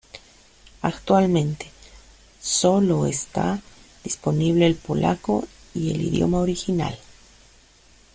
Actualmente, sólo está disponible el polaco y el idioma original.